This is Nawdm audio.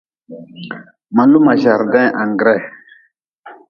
Ma joo ma jardin anggree.